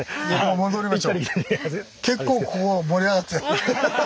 戻りましょう。